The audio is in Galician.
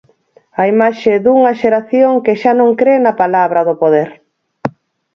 A imaxe dunha xeración que xa non cre na palabra do poder.